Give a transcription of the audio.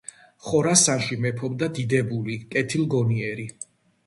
ხორასანში მეფობდა დიდებული, კეთილგონიერი.